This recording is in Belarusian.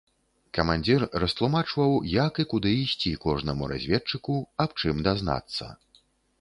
Камандзір растлумачваў, як і куды ісці кожнаму разведчыку, аб чым дазнацца.